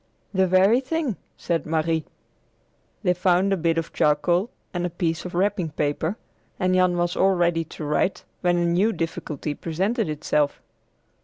"The very thing," said Marie. They found a bit of charcoal and a piece of wrapping paper, and Jan was all ready to write when a new difficulty presented itself.